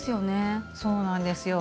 そうなんですよ。